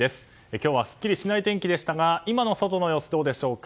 今日はすっきりしない天気でしたが今の外の様子、どうでしょうか。